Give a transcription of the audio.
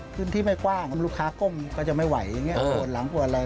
เขาบอกว่ามีใคร